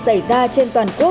xảy ra trên toàn quốc